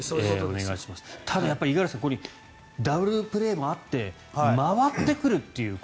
ただ、五十嵐さんダブルプレーもあって回ってくるという。